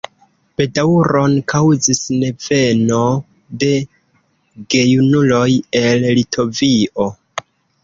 Bedaŭron kaŭzis neveno de gejunuloj el Litovio.